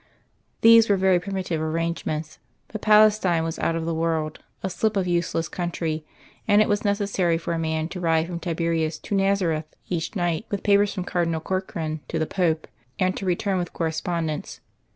These were very primitive arrangements, but Palestine was out of the world a slip of useless country and it was necessary for a man to ride from Tiberias to Nazareth each night with papers from Cardinal Corkran to the Pope, and to return with correspondence.